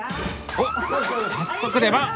おっ早速出番。